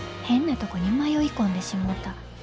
変なとこに迷い込んでしもうた。